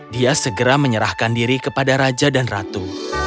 dia segera menyerahkan diri kepada raja dan ratu